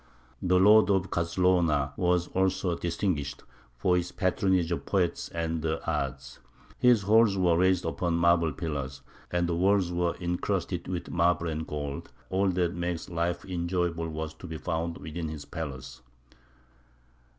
The lord of Cazlona was also distinguished for his patronage of poets and the arts; his halls were raised upon marble pillars, and the walls were encrusted with marble and gold; all that makes life enjoyable was to be found within his palace.